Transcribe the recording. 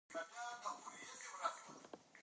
خپل ماشومان په ملي روحيه وروزئ.